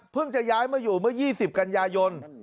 จะย้ายมาอยู่เมื่อ๒๐กันยายน